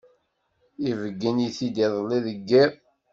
ibeggen-it-id iḍelli deg yiḍ.